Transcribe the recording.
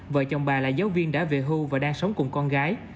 vợ chồng bà là giáo viên đã về hưu và đang sống cùng con gái